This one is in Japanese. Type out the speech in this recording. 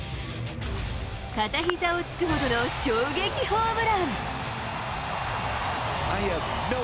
片ひざをつくほどの衝撃ホームラン。